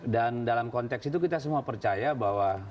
dan dalam konteks itu kita semua percaya bahwa